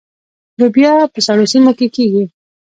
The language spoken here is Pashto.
لوبیا په سړو سیمو کې کیږي.